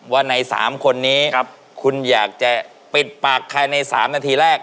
ว่าใน๓คนนี้คุณอยากจะปิดปากใครใน๓นาทีแรก